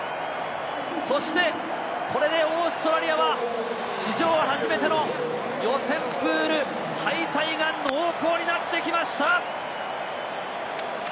そしてこれでオーストラリアは史上初めての予選プール敗退が濃厚になってきました。